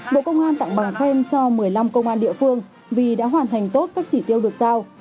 bộ công an tặng bằng khen cho một mươi năm công an địa phương vì đã hoàn thành tốt các chỉ tiêu được giao